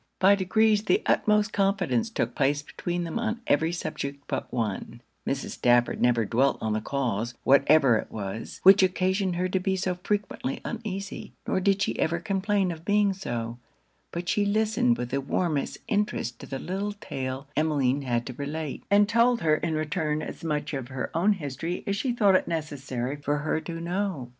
By degrees the utmost confidence took place between them on every subject but one: Mrs. Stafford never dwelt on the cause, whatever it was, which occasioned her to be so frequently uneasy; nor did she ever complain of being so: but she listened with the warmest interest to the little tale Emmeline had to relate, and told her in return as much of her own history as she thought it necessary for her to know.